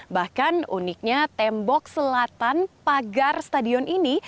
bahkan uniknya tembok selatan pagar stadion ini